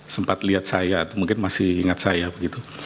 sempat lihat saya mungkin masih ingat saya begitu